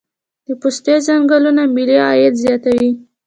د پستې ځنګلونه ملي عاید زیاتوي